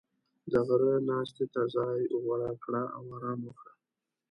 • د غره ناستې ته ځای غوره کړه او آرام وکړه.